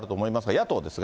野党ですが。